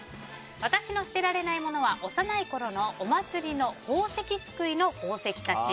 私の捨てられないものは幼いころのお祭りの宝石すくいの宝石たち。